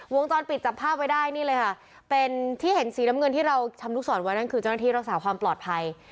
วงจรปิดจับภาพไว้ได้นี่เลยค่ะเป็นที่เห็นสีน้ำเงินที่เราทำลูกศรไว้นั่นคือเจ้าหน้าที่รักษาความปลอดภัย